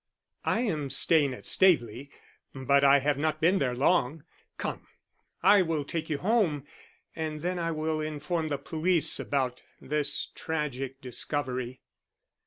"I am staying at Staveley, but I have not been there long. Come, I will take you home, and then I will inform the police about this tragic discovery."